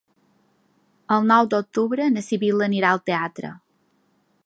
El nou d'octubre na Sibil·la anirà al teatre.